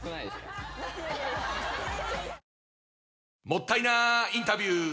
もったいなインタビュー！